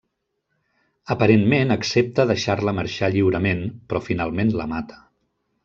Aparentment accepta deixar-la marxar lliurement, però finalment la mata.